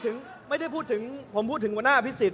ผมไม่ได้พูดถึงผมพูดถึงวันน่าพิศิษฐ์